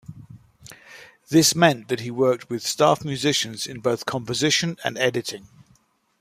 This meant that he worked with staff musicians in both composition and editing.